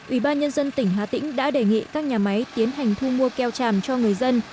ủy ban nhân dân tỉnh hà tĩnh đã đề nghị các nhà máy tiến hành thu mua keo tràm cho người dân